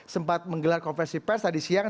sempat menggelar konversi pers tadi siang